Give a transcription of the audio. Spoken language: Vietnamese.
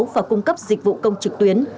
và cung cấp dịch vụ công trực tuyến